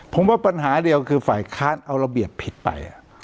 ผมว่าปัญหาเดียวคือฝ่ายค้านเอาระเบียบผิดไป